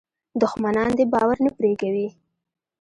دښمنان دې باور نه پرې کوي.